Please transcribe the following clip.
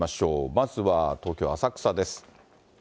まずは東京・浅草です。